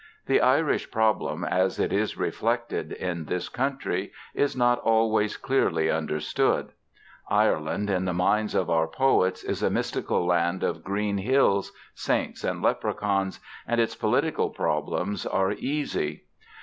The Irish problem as it is reflected in this country is not always clearly understood. Ireland, in the minds of our poets, is a mystical land of green hills, saints and leprechauns, and its political problems are easy.